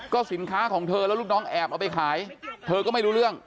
สินค้าของเธอแล้วลูกน้องแอบเอาไปขายเธอก็ไม่รู้เรื่อง